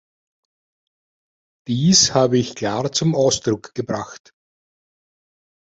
Dies habe ich klar zum Ausdruck gebracht.